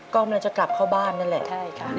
ก็กำลังจะกลับเข้าบ้านนั่นแหละใช่ค่ะ